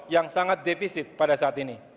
yang sangat defisit pada saat ini